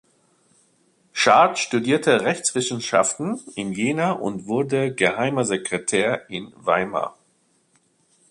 Schardt studierte Rechtswissenschaften in Jena und wurde Geheimer Sekretär in Weimar.